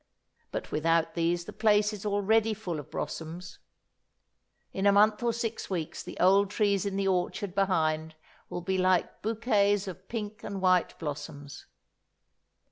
But without these the place is already full of blossoms. In a month or six weeks the old trees in the orchard behind will be like bouquets of pink and white blossoms.